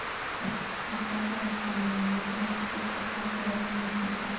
La falta de saneamiento básico afecta a todo el municipio.